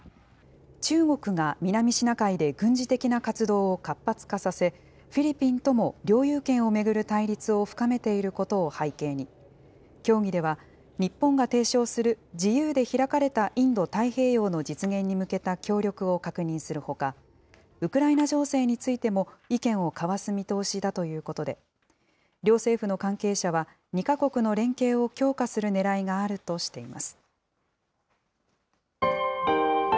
中国が南シナ海で軍事的な活動を活発化させ、フィリピンとも領有権を巡る対立を深めていることを背景に、協議では日本が提唱する自由で開かれたインド太平洋の実現に向けた協力を確認するほか、ウクライナ情勢についても意見を交わす見通しだということで、両政府の関係者は、２か国の連携を強化するねらいがあるとしています。